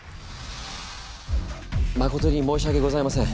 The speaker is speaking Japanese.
誠に申し訳ございません。